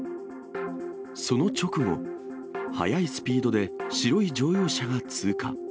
その直後、速いスピードで白い乗用車が通過。